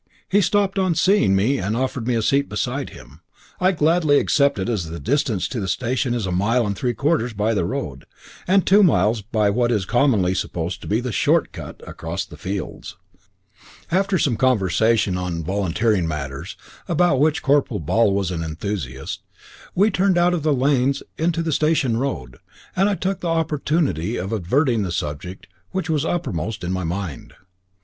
He stopped on seeing me and offered me a seat beside him. I gladly accepted, as the distance to the station is a mile and three quarters by the road, and two miles by what is commonly supposed to be the short cut across the fields. After some conversation on volunteering matters, about which Corporal Ball was an enthusiast, we turned out of the lanes into the station road, and I took the opportunity of adverting to the subject which was uppermost in my mind.